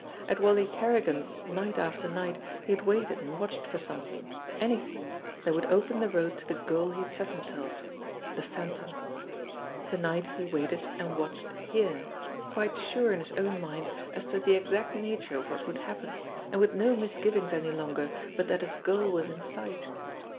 At Wally Kerrigan's, night after night, he had waited and watched for something, anything, that would open the road to the goal he had set himself the Phantom; to night he waited and watched here, quite sure in his own mind as to the exact nature of what would happen, and with no mis givings any longer but that his goal was in sight!